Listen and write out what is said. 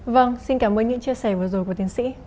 vâng xin cảm ơn những chia sẻ vừa rồi của tiến sĩ